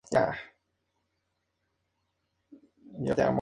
Antes de la contienda estuvo afiliado a la masonería.